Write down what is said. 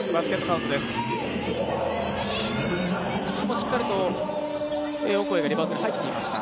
しっかりとオコエがリバウンドで入っていました。